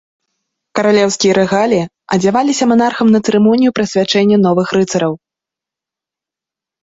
Каралеўскія рэгаліі адзяваліся манархам на цырымонію прысвячэння новых рыцараў.